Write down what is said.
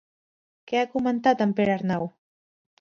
Què ha comentat en Perearnau?